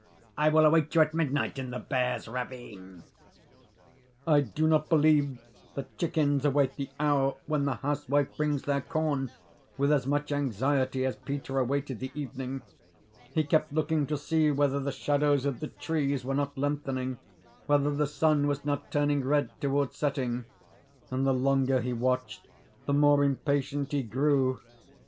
I will await you at midnight in the Bear's ravine." I do not believe that chickens await the hour when the housewife brings their corn with as much anxiety as Peter awaited the evening. He kept looking to see whether the shadows of the trees were not lengthening, whether the sun was not turning red towards setting; and, the longer he watched, the more impatient he grew.